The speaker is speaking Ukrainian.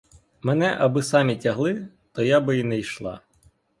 Мене аби самі тягли, то я би не йшла.